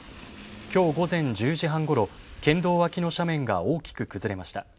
きょう午前１０時半ごろ、県道脇の斜面が大きく崩れました。